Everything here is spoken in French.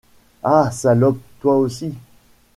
Ah ! salope, toi aussi !…